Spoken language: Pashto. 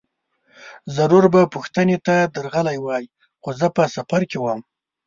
ضرور به پوښتنې ته درغلی وای، خو زه په سفر کې وم.